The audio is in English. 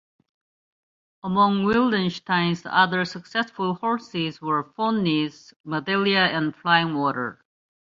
Among Wildenstein's other successful horses were Pawneese, Madelia, and Flying Water.